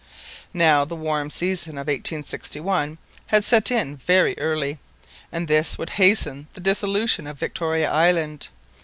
Now the warm season of 1861 had set in very early, and this would hasten the dissolution of Victoria Island.